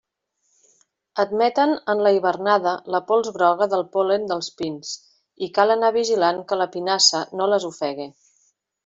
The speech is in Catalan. Admeten en la hivernada la pols groga del pol·len dels pins i cal anar vigilant que la pinassa no les ofegue.